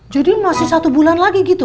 jadi masih satu bulan lagi gitu